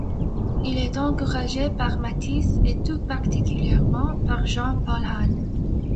Il est encouragé par Matisse et tout particulièrement par Jean Paulhan.